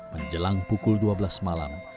menjelang pukul dua belas malam